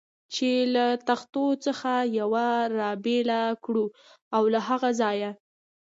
چې له تختو څخه یوه را بېله کړو او له هغه ځایه.